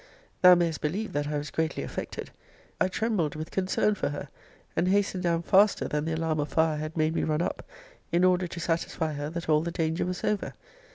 Thou mayest believe that I was greatly affected. I trembled with concern for her, and hastened down faster than the alarm of fire had made me run up, in order to satisfy her that all the danger was over.